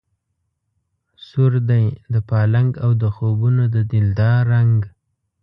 سور دی د پالنګ او د خوبونو د دلدار رنګ